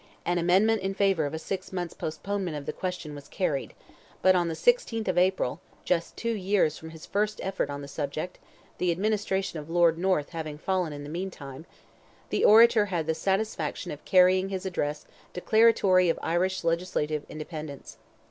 An amendment in favour of a six months' postponement of the question was carried; but on the 16th of April, just two years from his first effort on the subject (the administration of Lord North having fallen in the meantime), the orator had the satisfaction of carrying his address declaratory of Irish legislative independence.